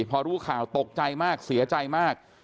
พอรู้ข่าวตกใจมากเสียใจมาก